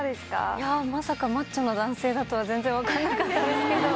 いやまさかマッチョな男性だとは全然分かんなかったですけど。